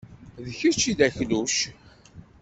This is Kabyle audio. D kečč ay d akluc.